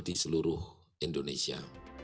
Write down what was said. di seluruh indonesia